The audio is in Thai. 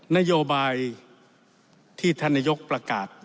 นโยบายที่ธนยกประกาศ